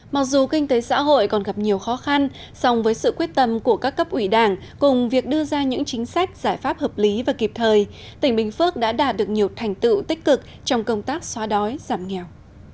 mặc dù kinh tế xã hội còn gặp nhiều khó khăn song với sự quyết tâm của các cấp ủy đảng cùng việc đưa ra những chính sách giải pháp hợp lý và kịp thời tỉnh bình phước đã đạt được nhiều thành tựu tích cực trong công tác xóa đói giảm nghèo